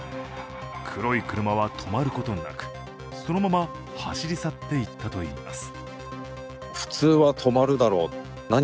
黒い車は止まることなくそのまま走り去っていったといいます。